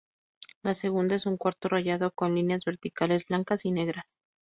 La segunda es un cuarto rayado con líneas verticales blancas y negras.